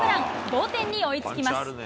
同点に追いつきます。